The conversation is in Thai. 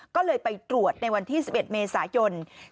ก็เลยไปตรวจในวันที่๑๑เมษายน